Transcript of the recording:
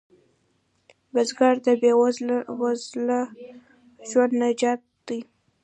بزګر د بې وزله ژوند نجات دی